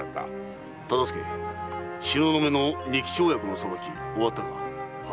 忠相東雲の仁吉親子の裁き終わったのか。